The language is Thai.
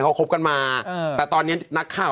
เขาคบกันมาแต่ตอนนี้นักข่าว